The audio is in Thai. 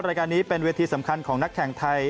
รายการนี้เป็นเวทีสำคัญของนักแข่งไทย